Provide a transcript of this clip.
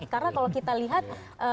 karena kalau kita lihat